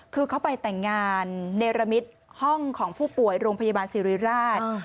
คือเขาไปแต่งงานเนรมิตห้องของผู้ป่วยโรงพยาบาลศิริราช